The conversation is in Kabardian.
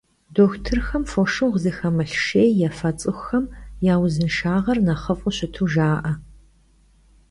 Doxutırxem foşşığu zıxemılh şşêy yêfe ts'ıxuxem ya vuzınşşağer nexhıf'u şıtu jja'e.